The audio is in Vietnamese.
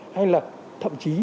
hay là thậm chí